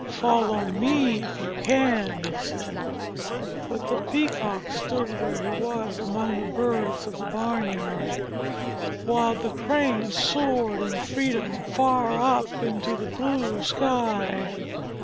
"Follow me if you can," he said. But the Peacock stood where he was among the birds of the barnyard, while the Crane soared in freedom far up into the blue sky.